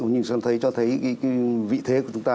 nhìn xem thấy vị thế của chúng ta